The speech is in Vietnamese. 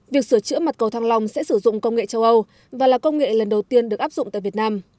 việc sửa chữa mặt cầu thăng long sẽ sử dụng công nghệ châu âu và là công nghệ lần đầu tiên được áp dụng tại việt nam